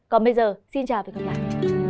còn bây giờ xin chào và hẹn gặp lại